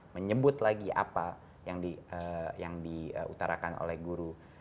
menyebut lagi apa yang diutarakan oleh guru